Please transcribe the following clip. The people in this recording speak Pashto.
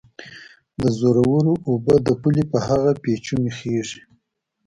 د زورورو اوبه د پولې په هغه پېچومي خېژي